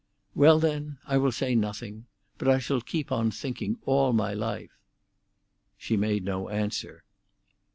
"Well, then, I will say nothing. But I shall keep on thinking all my life." She made no answer.